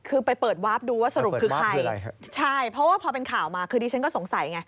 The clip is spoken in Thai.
คือไปเปิดวาร์ฟดูว่าสรุปคือใครใช่เพราะว่าพอเป็นข่าวมาคือดิฉันก็สงสัยไง